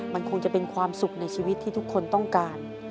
มันคงจะเป็นความสุขในชีวิตที่ทุกคนต้องการ